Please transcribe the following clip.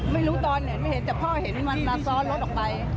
ไม่รู้ตอนเนี่ยไม่เห็นแต่พ่อเห็นมันมาซ้อนรถออกไป